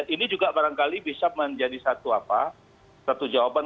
ini juga barangkali bisa menjadi satu jawaban